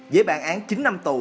dễ bản án chín năm tù